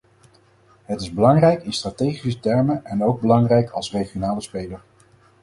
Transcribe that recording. Het is belangrijk in strategische termen en ook belangrijk als regionale speler.